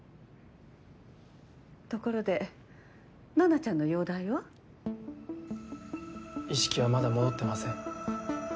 ところで奈々ちゃんの容体は？意識はまだ戻ってません。